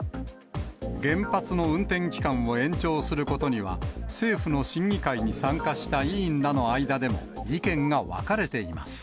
原発の運転期間を延長することには、政府の審議会に参加した委員らの間でも意見が分かれています。